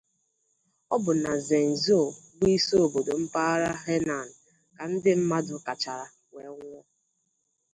ọ bụ na Zhengzhou bụ isi obodo mpaghara Henan ka ndị mmadụ kachara wee nwụọ